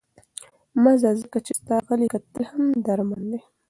مه ځه، ځکه چې ستا غلي کتل هم درمان دی.